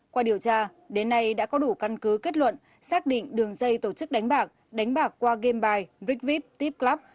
qua điều tra đến nay đã có đủ căn cứ kết luận xác định đường dây tổ chức đánh bạc đánh bạc qua game bài brickvip tipclub